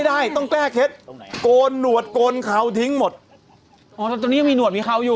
ได้ต้องแก้เคล็ดโกนหนวดโกนเขาทิ้งหมดอ๋อตอนนี้ยังมีหนวดมีเขาอยู่